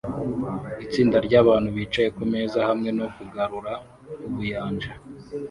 Itsinda ryabantu bicaye kumeza hamwe no kugarura ubuyanja